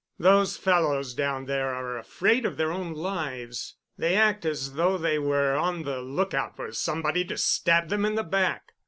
Those fellows down there are afraid of their own lives. They act as though they were on the lookout for somebody to stab them in the back.